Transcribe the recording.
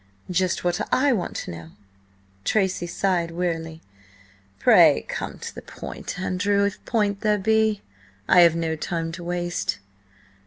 "Just what I want to know!" Tracy sighed wearily. "Pray come to the point, Andrew–if point there be. I have no time to waste."